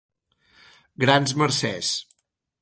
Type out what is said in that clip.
-Grans mercès.